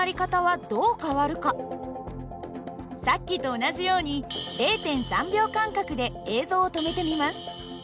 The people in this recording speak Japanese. さっきと同じように０．３秒間隔で映像を止めてみます。